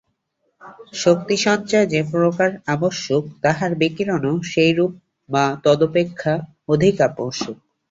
শক্তিসঞ্চয় যে প্রকার আবশ্যক, তাহার বিকিরণও সেইরূপ বা তদপেক্ষা অধিক আবশ্যক।